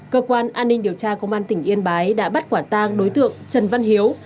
cơ quan an ninh điều tra công an tỉnh yên bái đã bắt quả tang đối tượng trần văn hiếu